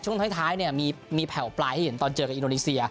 ช่วงท้ายมีแผ่วปลายให้เห็นตอนเจอกับอินโดนีเซีย